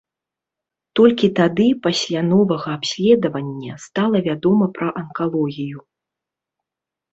Толькі тады, пасля новага абследавання, стала вядома пра анкалогію.